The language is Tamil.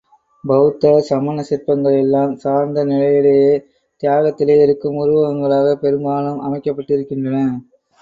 பௌத்த, சமண சிற்பங்கள் எல்லாம் சார்ந்த நிலையிலே தியாகத்திலே இருக்கும் உருவங்களாகவே பெரும்பாலும் அமைக்கப்பட்டிருக்கின்றன.